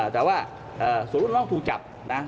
แต่ว่าส่วนลูกน้องถูกจับ